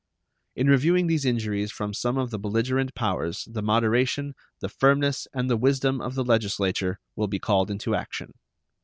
In reviewing these injuries from some of the belligerent powers the moderation, the firmness, and the wisdom of the Legislature will be called into action.